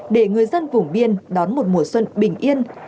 để người dân vùng biên đón một mùa xuân bình yên